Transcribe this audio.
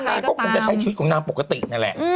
นางก็คงจะใช้ชีวิตของนางปกตินั่นแหละ